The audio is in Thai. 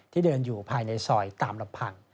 ที่เดินอยู่ภายในซอยตามหลับผัง